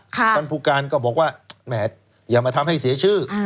ท่านผู้การก็บอกว่าแหมอย่ามาทำให้เสียชื่อ